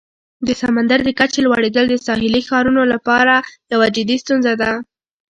د سمندر د کچې لوړیدل د ساحلي ښارونو لپاره یوه جدي ستونزه ده.